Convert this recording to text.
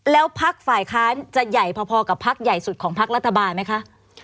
แล้วพักฝ่ายค้านจะใหญ่พอกับพักใหญ่สุดของพักรัฐบาลไหมคะ